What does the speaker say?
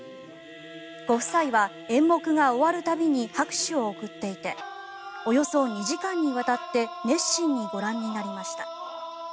ご夫妻は演目が終わる度に拍手を送っていておよそ２時間にわたって熱心にご覧になりました。